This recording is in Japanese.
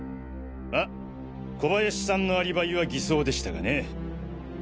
まぁ小林さんのアリバイは偽装でしたがね。